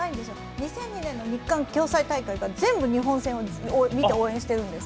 ２００２年の日韓共催大会からずっと見て応援しているんです。